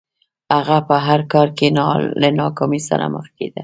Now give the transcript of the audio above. هغه به په هر کار کې له ناکامۍ سره مخ کېده